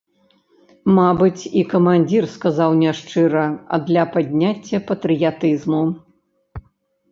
Мабыць, і камандзір сказаў не шчыра, а для падняцця патрыятызму.